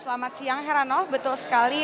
selamat siang herano betul sekali